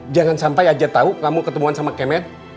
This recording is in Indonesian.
jangan sampai ajat tahu kamu ketemuan sama kemet